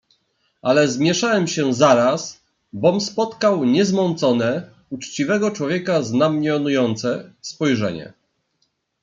"Ale zmieszałem się zaraz, bom spotkał niezmącone, uczciwego człowieka znamionujące, spojrzenie."